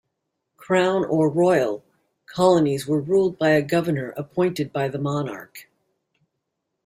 Crown, or royal, colonies were ruled by a governor appointed by the monarch.